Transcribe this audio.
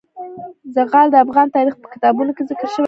زغال د افغان تاریخ په کتابونو کې ذکر شوی دي.